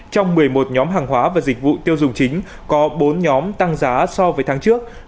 trong một mươi một nhóm hàng hóa và dịch vụ tiêu dùng chính có bốn nhóm tăng giá so với tháng trước